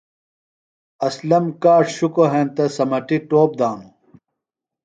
اسلم کاڇ شکو ہینتہ سمٹی ٹوپ دانو ۔